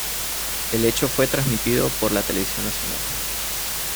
El hecho fue transmitido por la televisión nacional.